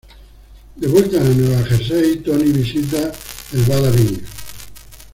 De vuelta en Nueva Jersey, Tony visita el Bada Bing!